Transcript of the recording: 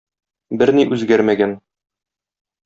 Берни үзгәрмәгән.